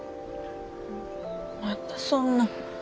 またそんな。